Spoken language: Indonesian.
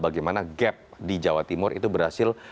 bagaimana gap di jawa timur itu berhasil